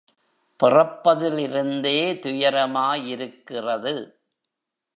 பிறப்பதிலிருந்தே துயரமா யிருக்கிறது.